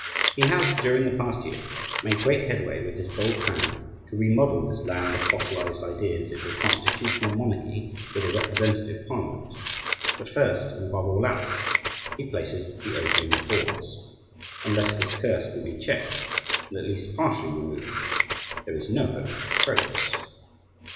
He has, during the past year, made great headway with his bold plan to remodel this land of fossilized ideas into a constitutional monarchy, with a representative parliament. But first, and above all else, he places the opium reforms. Unless this curse can be checked, and at least partially removed, there is no hope of progress.